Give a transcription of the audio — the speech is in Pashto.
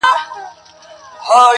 دا له زمان سره جنګیږي ونه٫